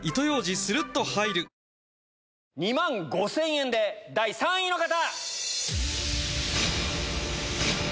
２万５０００円で第３位の方！